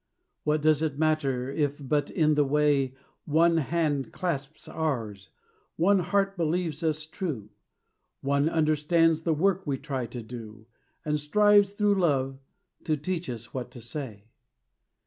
What does it matter, if but in the way One hand clasps ours, one heart believes us true; One understands the work we try to do, And strives through Love to teach us what to say?